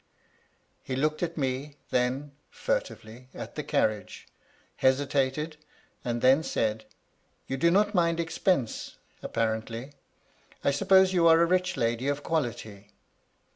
He looked at me, then (furtively) at the carriage, hesitated, and then said :^ You do not mind expense, apparently. I suppose you are a rich lady of quality.